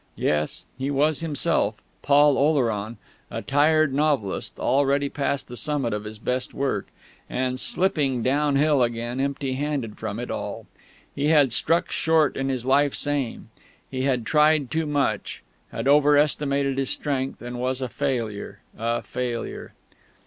Yes, he was himself, Paul Oleron, a tired novelist, already past the summit of his best work, and slipping downhill again empty handed from it all. He had struck short in his life's aim. He had tried too much, had over estimated his strength, and was a failure, a failure....